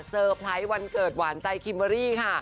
เซอร์ไพรส์วันเกิดหวานใจคิมบารี่ค่ะ